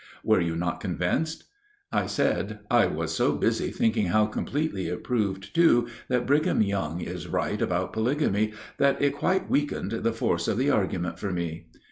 Were you not convinced?" I said, "I was so busy thinking how completely it proved too that Brigham Young is right about polygamy that it quite weakened the force of the argument for me."